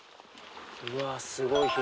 うわすごい広い。